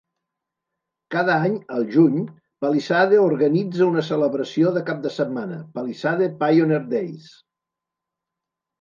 Cada any, al juny, Palisade organitza una celebració de cap de setmana, "Palisade Pioneer Days".